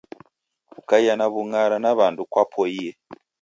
Kukaia na w'ung'ara na wandu kwapoie